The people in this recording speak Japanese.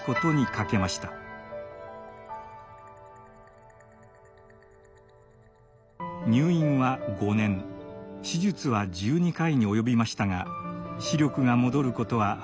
入院は５年手術は１２回に及びましたが視力が戻ることはありませんでした。